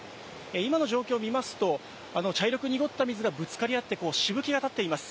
今の状況を見ますと、茶色く濁った水がぶつかり合って、しぶきが立っています。